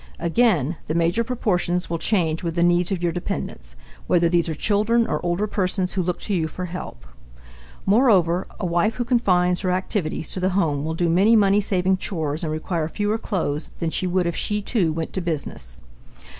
Again, the major proportions will change with the needs of your dependents, whether these are children or older persons who look to you for help. Moreover, a wife who confines her activities to the home will do many money saving chores and require fewer clothes than she would if she, too, went to business.